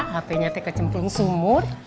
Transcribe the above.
hpnya teh kecemplung sumur